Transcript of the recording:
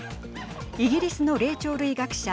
イギリスの霊長類学者